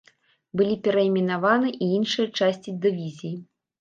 Былі перайменаваны і іншыя часці дывізіі.